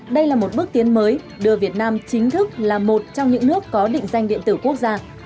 đây là một bước tiến mới đưa việt nam chính thức là một trong những nước có định danh điện tử quốc gia